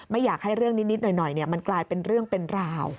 อยากให้เรื่องนิดหน่อยมันกลายเป็นเรื่องเป็นราว